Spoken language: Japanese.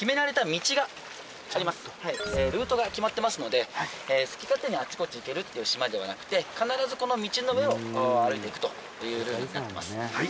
ルートが決まってますので好き勝手にあちこち行けるっていう島ではなくて必ずこの道の上を歩いてくというふうになってます。